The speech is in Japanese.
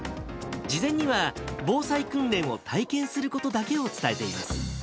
事前には、防災訓練を体験することだけを伝えています。